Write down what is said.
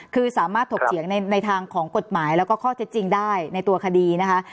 คือสามารถถกเถียงในทางของกฎหมายแล้วก็ข้อเท็จจริงได้ในตัวคดีนะคะ